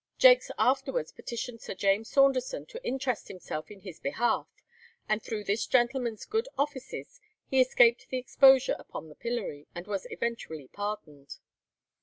Jaques afterwards petitioned Sir James Saunderson to interest himself in his behalf, and through this gentleman's good offices he escaped the exposure upon the pillory, and was eventually pardoned.